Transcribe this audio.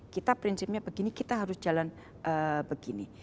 kita prinsipnya begini kita harus jalan begini